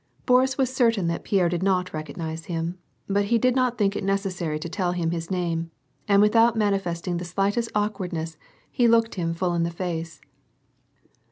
Boris was certain that Pierre did not recognize him, but he did not think it necessary to tell his name, and without mani festing the slightest awkwardness he looked him full in the face.